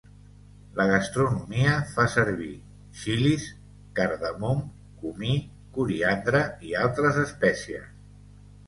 La gastronomia fa servir xilis, cardamom, comí, coriandre i altres espècies.